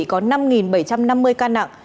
có năm bảy trăm năm mươi ca nặng